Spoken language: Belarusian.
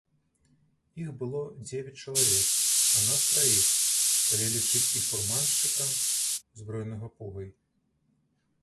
Іх было дзевяць чалавек, а нас траіх, калі лічыць і фурманшчыка, узброенага пугай.